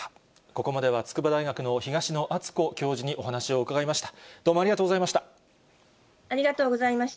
ここまでは、筑波大学の東野篤子教授にお話を伺いました。